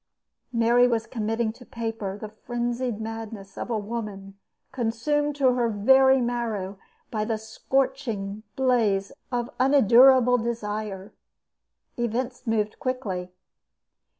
Mary was committing to paper the frenzied madness of a woman consumed to her very marrow by the scorching blaze of unendurable desire. Events moved quickly.